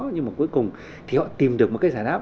nhưng mà cuối cùng thì họ tìm được một cái giải đáp